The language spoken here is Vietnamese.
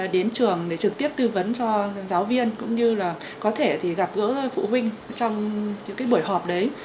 đến trường để trực tiếp tư vấn cho giáo viên cũng như là có thể gặp gỡ phụ huynh trong những buổi họp đấy